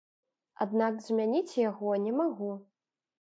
Аднак змяніць яго не магу.